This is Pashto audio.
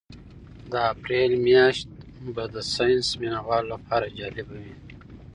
د اپریل میاشت به د ساینس مینه والو لپاره جالبه وي.